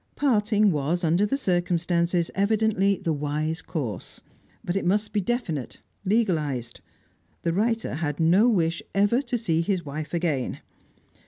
Parting was, under the circumstances, evidently the wise course; but it must be definite, legalised; the writer had no wish ever to see his wife again.